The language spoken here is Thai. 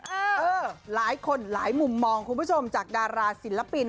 เออหลายคนหลายมุมมองคุณผู้ชมจากดาราศิลปิน